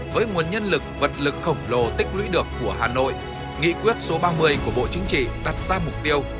với nguồn nhân lực vật lực khổng lồ tích lũy được của hà nội nghị quyết số ba mươi của bộ chính trị đặt ra mục tiêu